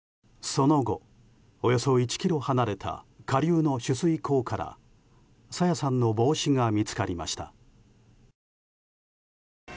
その後、およそ１ｋｍ離れた下流の取水口から朝芽さんの帽子が見つかりました。